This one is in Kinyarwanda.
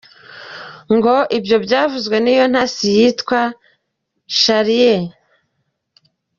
Ngo ibyo byavuzwe n’iyo ntasi yitwa Charrier.